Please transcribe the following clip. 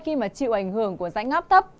khi chịu ảnh hưởng của rãnh ngáp thấp